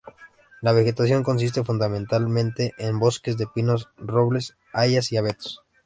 La vegetación consiste fundamentalmente en bosques de pinos, robles, hayas y abetos.